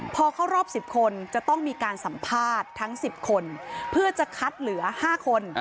พอเข้ารอบ๑๐คนจะต้องมีการสัมภาษณ์ทั้ง๑๐คนเพื่อจะคัดเหลือ๕คน